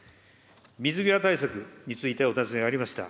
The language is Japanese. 水際対策についてお尋ねがありました。